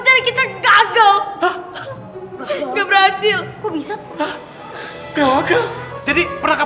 perangkapannya gagal ada meragam